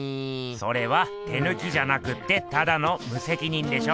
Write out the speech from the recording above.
それは手ぬきじゃなくってただのむせきにんでしょ！